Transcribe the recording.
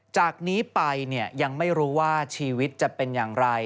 จากนี้ไปยังไม่รู้ว่าชีวิตจะเป็นอย่างไร